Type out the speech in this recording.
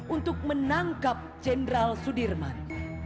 untuk menangkap jenderal sudirman